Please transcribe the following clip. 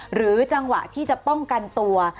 หรือจังหวะที่จะป้องกันตัว